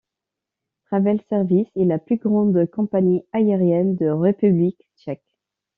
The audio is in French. Travel Service est la plus grande compagnie aérienne de République tchèque.